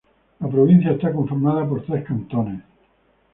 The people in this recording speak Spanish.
La provincia está conformada por tres cantones.